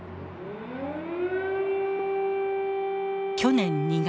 去年２月。